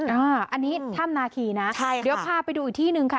อันนี้ถ้ำนาคีนะเดี๋ยวพาไปดูอีกที่หนึ่งค่ะ